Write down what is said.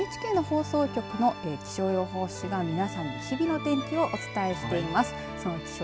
こちらＮＨＫの放送局の気象予報士がみなさんに日々の天気をお伝えしています。